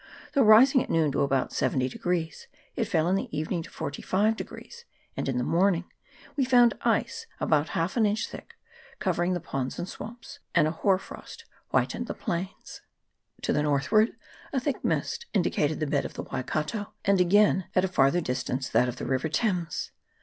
Although rising at noon to about 70, it fell in the evening to 45, and in the morning we found ice about half an inch thick covering the ponds and swamps, and a hoar frost whitened the plains. To the northward a thick mist indicated the bed of the Waikato, and again, at a farther distance, that of the river Thames.